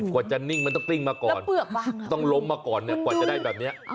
กว่าจะนิ่งมันต้องกลิ้งมาก่อนต้องล้มมาก่อนเนี่ยกว่าจะได้แบบนี้